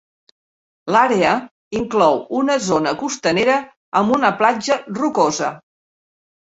L'àrea inclou una zona costanera amb una platja rocosa.